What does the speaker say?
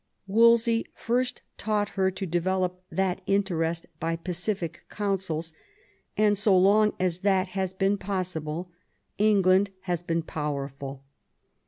Wolsey first taught her to develop that interest by pacific counsels, and so long as that has been possible, England has been powwful.